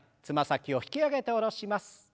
つま先を引き上げて下ろします。